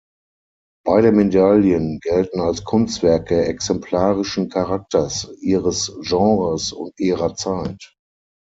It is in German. Beide Medaillen gelten als Kunstwerke exemplarischen Charakters ihres Genres und ihrer Zeit.